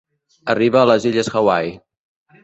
Arriba a les illes Hawaii.